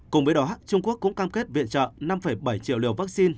cùng với đó trung quốc cũng cam kết viện trợ năm bảy triệu liều vaccine